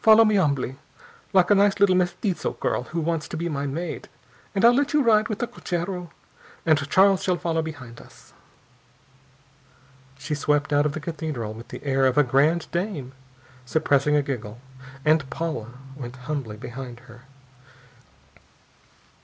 Follow me humbly, like a nice little mestizo girl who wants to be my maid, and I'll let you ride with the cochero and Charles shall follow behind us." She swept out of the Cathedral with the air of a grande dame suppressing a giggle, and Paula went humbly behind her.